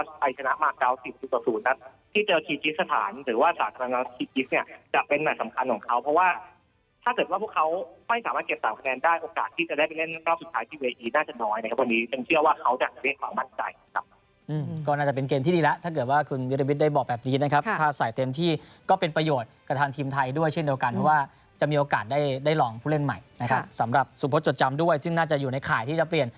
ทีมน่าจะน้อยนะครับวันนี้ฉันเชื่อว่าเขาจะได้ความมั่นใจนะครับอืมก็น่าจะเป็นเกมที่ดีแล้วถ้าเกิดว่าคุณมิดวิทย์ได้บอกแบบนี้นะครับถ้าใส่เต็มที่ก็เป็นประโยชน์กับทางทีมไทยด้วยเช่นเดียวกันเพราะว่าจะมีโอกาสได้ได้ลองผู้เล่นใหม่นะครับสำหรับสุโปรดจดจำด้วยซึ่งน่าจะอยู่ในข่ายที่